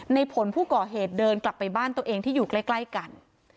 ในผลผู้ก่อเหตุเดินกลับไปบ้านตัวเองที่อยู่ใกล้กัน